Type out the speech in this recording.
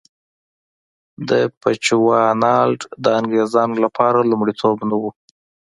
بچوانالنډ د انګرېزانو لپاره لومړیتوب نه و.